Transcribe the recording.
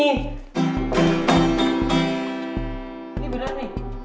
ini beneran nih